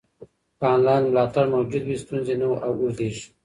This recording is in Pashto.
که انلاین ملاتړ موجود وي، ستونزې نه اوږدېږي.